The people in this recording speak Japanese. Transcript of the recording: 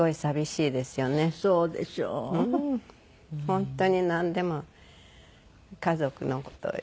本当になんでも家族の事を。